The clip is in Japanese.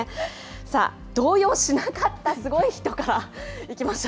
さあ、動揺しなかったすごい人からいきましょう。